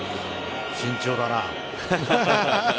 慎重だな。